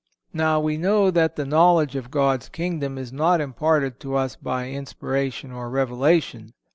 Now we know that the knowledge of God's Kingdom is not imparted to us by inspiration or revelation.